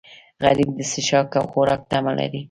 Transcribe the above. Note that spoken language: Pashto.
غریب د څښاک او خوراک تمه لري